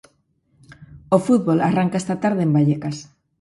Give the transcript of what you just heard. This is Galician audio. O fútbol arranca esta tarde en Vallecas.